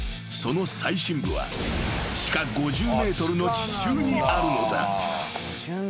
［その最深部は地下５０ｍの地中にあるのだ］